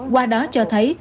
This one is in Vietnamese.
qua đó cho thấy